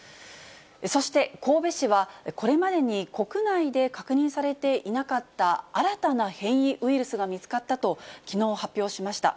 そして、神戸市は、これまでに国内で確認されていなかった新たな変異ウイルスが見つかったと、きのう発表しました。